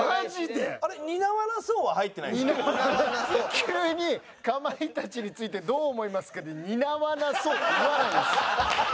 急に「かまいたちについてどう思いますか？」で「担わなそう」って言わないです。